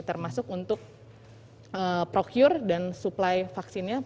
termasuk untuk procure dan suplai vaksinnya